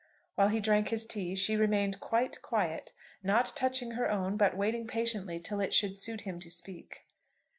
While he drank his tea she remained quite quiet, not touching her own, but waiting patiently till it should suit him to speak.